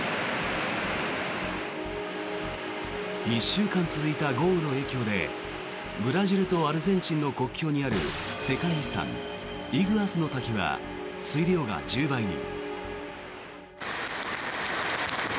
１週間続いた豪雨の影響でブラジルとアルゼンチンの国境にある世界遺産、イグアスの滝は水量が１０倍に。